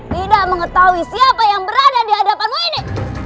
tidak mengetahui siapa yang berada di hadapanmu ini